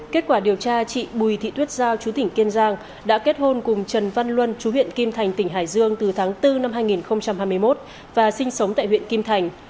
kết quả điều tra chị bùi thị thuyết giao chú tỉnh kiên giang đã kết hôn cùng trần văn luân chú huyện kim thành tỉnh hải dương từ tháng bốn năm hai nghìn hai mươi một và sinh sống tại huyện kim thành